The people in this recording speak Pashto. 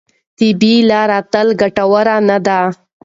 طبیعي لارې تل ګټورې نه دي.